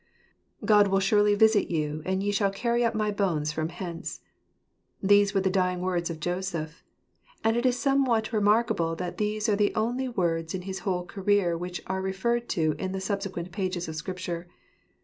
JfOD will surely visit you, and ye shall carry up my bones from hence." These were the dying words of Joseph. And it is somewhat remark able that these are the only words in his whole career which are referred to in the subsequent pages of the Scriptures.